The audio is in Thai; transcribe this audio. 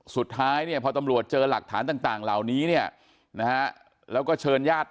สุดท้ายเนี่ยพอตำรวจเจอหลักฐานต่างเหล่านี้เนี่ยนะฮะแล้วก็เชิญญาติ